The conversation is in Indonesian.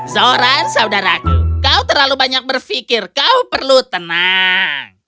zoran saudaraku kau terlalu banyak berpikir kau perlu tenang